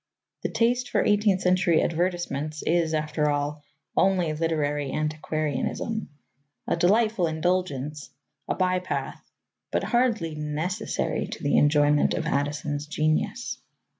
The taste for eighteenth century advertisements is, after all, only literary antiquarianism a delightful indulgence, a by path, but hardly necessary to the enjoyment of Addison's genius.